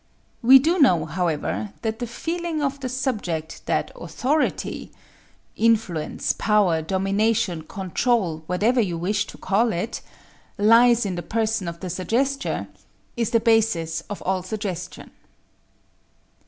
We do know, however, that the feeling of the subject that authority influence, power, domination, control, whatever you wish to call it lies in the person of the suggester, is the basis of all suggestion.